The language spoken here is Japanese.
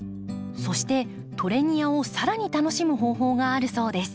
そしてトレニアを更に楽しむ方法があるそうです。